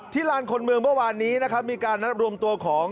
ที่ลานคนเมืองเมื่อวานนี้มีการนับรวมตัวของ